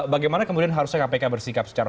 bagaimana kemudian harusnya kpk bersikap secara